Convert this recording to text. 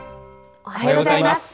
おはようございます。